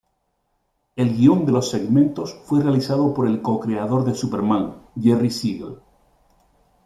El guion de los segmentos fue realizado por el co-creador de Superman Jerry Siegel.